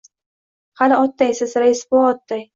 — Hali otdaysiz, rais bova, otday!